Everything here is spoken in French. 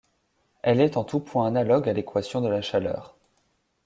Elle est en tout point analogue à l'équation de la chaleur.